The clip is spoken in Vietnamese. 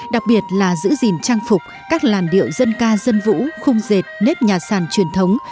đặc biệt là giữ gìn trang phục các làn điệu dân ca dân vũ khung dệt nếp nhà sàn truyền thống